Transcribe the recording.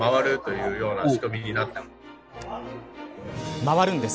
回るんです。